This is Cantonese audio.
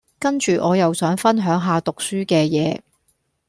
跟住我又想分享下讀書嘅嘢